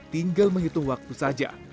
tinggal menghitung waktu saja